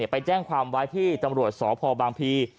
ไปแจ้งความไว้ที่ตำรวจสพบางพี